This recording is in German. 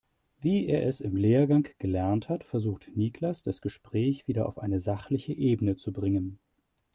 Wie er es im Lehrgang gelernt hat, versucht Niklas das Gespräch wieder auf eine sachliche Ebene zu bringen.